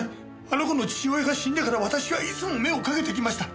あの子の父親が死んでから私はいつも目をかけてきました。